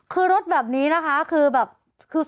คือรถแบบนี้นะคะคือสมมติว่า